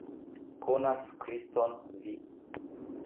Konas Kriston vi!